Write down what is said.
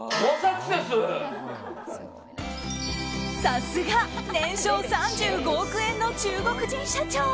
さすが年商３５億円の中国人社長。